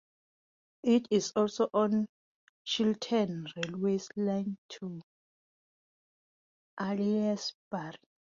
It is also on Chiltern Railways' line to Aylesbury.